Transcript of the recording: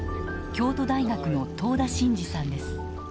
京都大学の遠田晋次さんです。